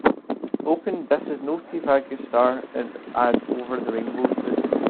Open this is no te va gustar and add Over the rainbow to it